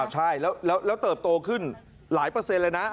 ใช่แล้วเติบโตขึ้นหลายเปอร์เซ็นต์เลยนะ